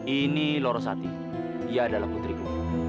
ini lorosati ia adalah putriku